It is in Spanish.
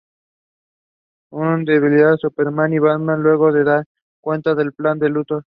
Un debilitado Superman y Batman luego se dan cuenta del plan de Luthor.